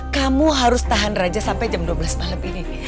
kamu harus tahan raja sampai jam dua belas malam ini